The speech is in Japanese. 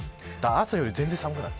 朝より全然寒くなる。